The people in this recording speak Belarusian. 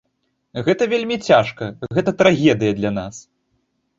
Гэта вельмі цяжка, гэта трагедыя для нас.